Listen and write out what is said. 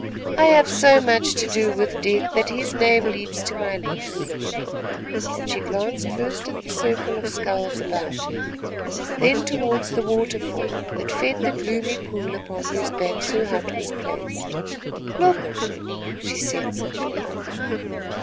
"I have so much to do with Death that his name leaps to my lips," and she glanced first at the circle of skulls about her, then towards the waterfall that fed the gloomy pool upon whose banks her hut was placed. "Look," she said simply.